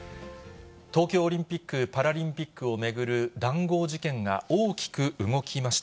東京オリンピック・パラリンピックを巡る談合事件が大きく動きました。